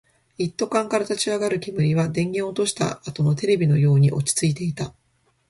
一斗缶から立ち上る煙は、電源を落としたあとのテレビのように落ち着いていた